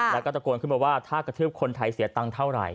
แล้วก็ตะโกนขึ้นมาว่าถ้ากระทืบคนไทยเสียตังค์เท่าไหร